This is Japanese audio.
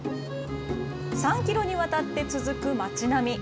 ３キロにわたって続く町並み。